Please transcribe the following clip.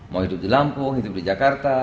mau hidup di lampung hidup di jakarta